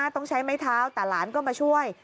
ต้องใช้ไม้เท้าแต่หลานก็มาช่วย